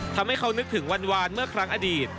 ทำให้เขานึกถึงวานเมื่อครั้งอดีต